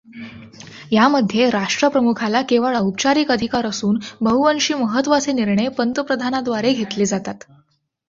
ह्यामध्ये राष्ट्रप्रमुखाला केवळ औपचारिक अधिकार असून बव्ह्ंशी महत्त्वाचे निर्णय पंतप्रधानाद्वारे घेतले जातात.